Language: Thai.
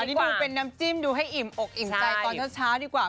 อันนี้ดูเป็นน้ำจิ้มดูให้อิ่มอกอิ่มใจตอนเช้าดีกว่า